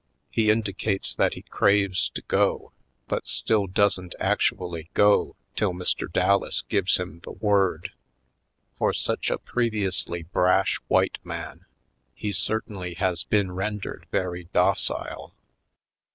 He indi cates that he craves to go but still don't ac tually go till Mr. Dallas gives him the word. For such a previously brash white man he certainly has been rendered very docile.